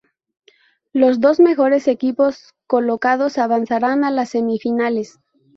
Los dos mejores equipos colocados avanzarán a las semifinales.